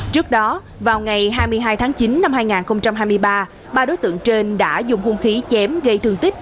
trước đó vào ngày hai mươi hai tháng chín năm hai nghìn hai mươi ba ba đối tượng trên đã dùng hung khí chém gây thương tích